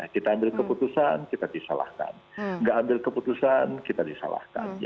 kita ambil keputusan kita disalahkan nggak ambil keputusan kita disalahkan